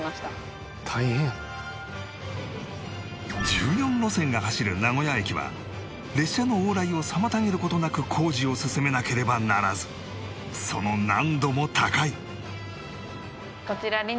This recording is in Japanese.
１４路線が走る名古屋駅は列車の往来を妨げる事なく工事を進めなければならずその難度も高い